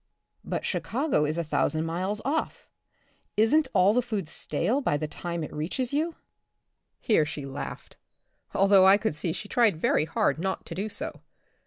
" But Chicago is a thousand miles off. Isn*t all the food stale by the time it reaches you ?Here she laughed, although I could see she tried very hard not to do so.